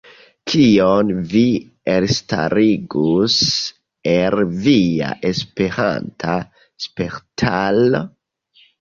Kion vi elstarigus el via Esperanta spertaro?